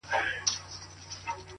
پلار نیکه مي دا تخمونه دي کرلي؛